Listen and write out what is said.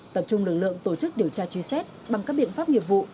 tập trung lực lượng tổ chức điều tra truy xét bằng các biện pháp nghiệp vụ